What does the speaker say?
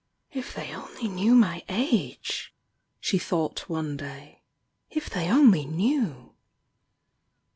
"If they only knew my age!" she thought one day. "If they only knew!'